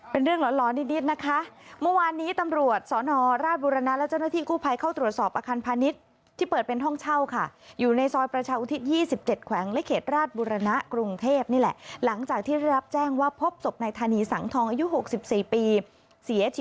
เมื่อวานยังได้คุยกันอยู่เลย